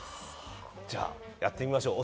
じゃあやってみましょう。